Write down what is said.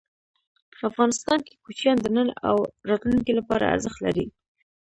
افغانستان کې کوچیان د نن او راتلونکي لپاره ارزښت لري.